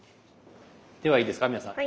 ではいいですか皆さん。